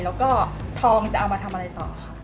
แล้วก็ทองจะเอามาทำอะไรต่อค่ะ